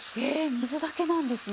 水だけなんですね。